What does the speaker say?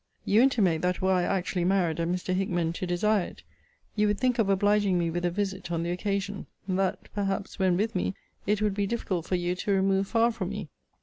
You intimate that were I actually married, and Mr. Hickman to desire it, you would think of obliging me with a visit on the occasion; and that, perhaps, when with me, it would be difficult for you to remove far from me.